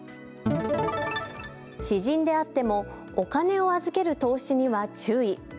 知人であってもお金を預ける投資には注意。